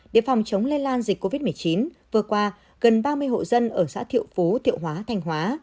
để phòng chống lây lan dịch covid một mươi chín vừa qua gần ba mươi hộ dân ở xã thiệu phú thiệu hóa thành hóa